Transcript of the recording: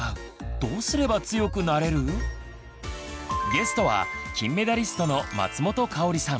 ゲストは金メダリストの松本薫さん。